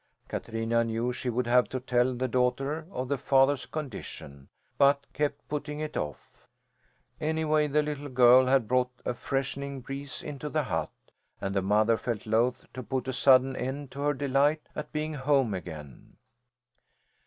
Katrina knew she would have to tell the daughter of the father's condition, but kept putting it off. Anyway, the little girl had brought a freshening breeze into the hut and the mother felt loath to put a sudden end to her delight at being home again.